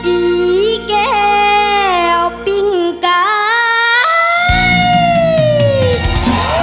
อีแก้วปิ้งไก่